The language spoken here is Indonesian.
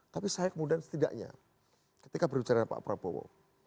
tapi saya kemudian setidaknya ketika berbicara dengan pak prabowo